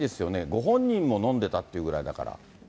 ご本人ものんでたっていうぐらいだから。